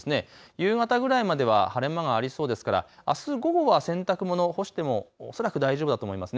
夕方ぐらいまでは晴れ間がありそうですから、あす午後は洗濯物、干しても恐らく大丈夫だと思います。